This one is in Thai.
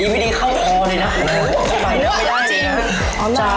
ดีไม่ดีเข้าคอดินะ